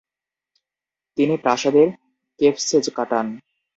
তিনি প্রাসাদের কেফসে কাটান।